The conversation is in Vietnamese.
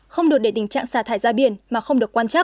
không đột đề tình trạng xả thải ra biển mà không được quan chắc